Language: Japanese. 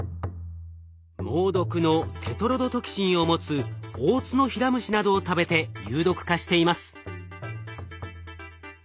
猛毒のテトロドトキシンを持つオオツノヒラムシなどを食べて有毒化しています。